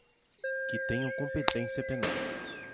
que tenham competência penal;